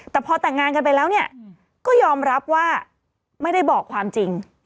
แต่พอแต่งงานกันไปแล้วเนี่ยก็ยอมรับว่าไม่ได้บอกความจริง